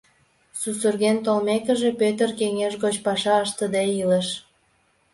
Сусырген толмекыже, Пӧтыр кеҥеж гоч паша ыштыде илыш.